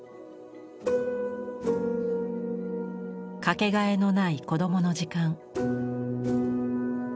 掛けがえのない子どもの時間。